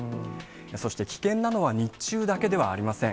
そして危険なのは日中だけではありません。